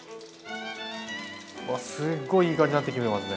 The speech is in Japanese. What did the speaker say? わあすごいいい感じになってきてますね。